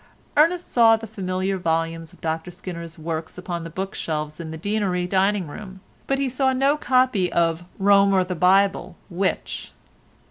Ernest saw the familiar volumes of Dr Skinner's works upon the bookshelves in the Deanery dining room, but he saw no copy of "Rome or the Bible—Which?"